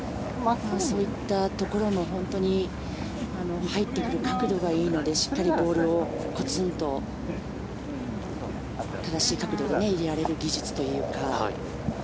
そういったところも本当に入ってくる角度がいいのでしっかりボールをコツンと正しい角度で入れられる技術というか。